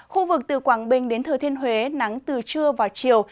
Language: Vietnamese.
khu vực từ quảng bình đến thừa thiên huế nắng từ trưa vào chiều